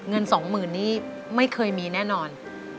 เงินสองหมื่นนี้ไม่เคยมีแน่นอน